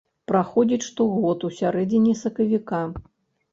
Праходзіць штогод у сярэдзіне сакавіка.